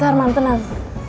mas arman tenang